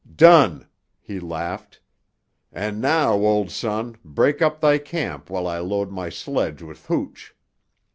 "Done," he laughed. "And now, old son, break up thy camp while I load my sledge with hooch.